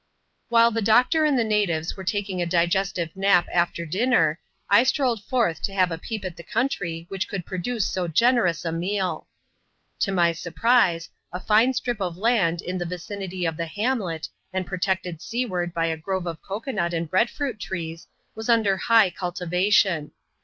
"While the doctor and the natives were taking a digestive nap after dinner, I strolled forth to have a peep at the country which could produce so generous a meal. To my surprise, a fine strip of land in the vicinity of the hamlet, and protected seaward hy a grove of cocoa nut and bread fruit trees, was under high cultivation.